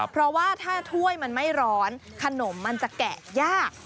เพราะว่าถ้าถ้วยมันไม่ร้อนขนมมันจะแกะยาก